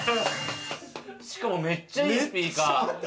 しかもめっちゃいいスピーカー！